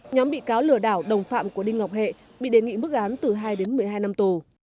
nhóm bị cáo lừa đảo đồng phạm của đinh ngọc hệ bị đề nghị mức án từ hai đến một mươi hai năm tù